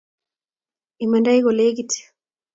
imandai ko lekit